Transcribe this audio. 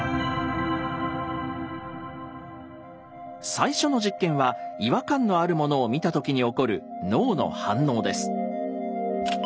最初の実験は違和感のあるものを見た時に起こる脳の反応です。